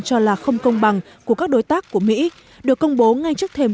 cho là không công bằng của các đối tác của mỹ được công bố ngay trước thềm